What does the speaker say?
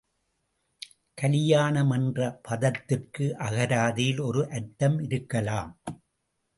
கலியாணம் என்ற பதத்திற்கு அகராதியில் ஒரு அர்த்தம் இருக்கலாம்.